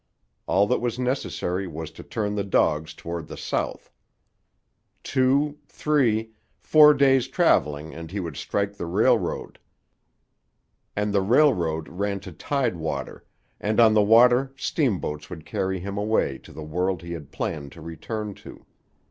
All that was necessary was to turn the dogs toward the south. Two, three, four days' travelling and he would strike the railroad. And the railroad ran to tide water, and on the water steamboats would carry him away to the world he had planned to return to.